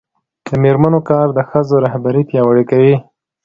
د میرمنو کار د ښځو رهبري پیاوړې کوي.